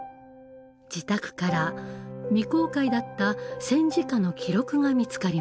自宅から未公開だった戦時下の記録が見つかりました。